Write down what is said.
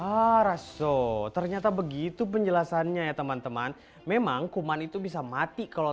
arasso ternyata begitu penjelasannya ya teman teman memang kuman itu bisa mati kalau